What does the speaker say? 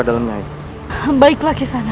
dalamnya baiklah kisahnya